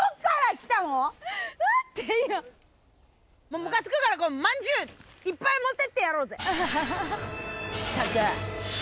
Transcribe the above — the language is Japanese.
むかつくから、まんじゅういっぱい持っていってやろうぜ。